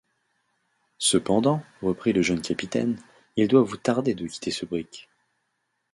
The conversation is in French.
Cependant, reprit le jeune capitaine, il doit vous tarder de quitter ce brick.